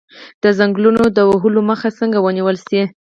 د ځنګلونو د وهلو مخه څنګه ونیول شي؟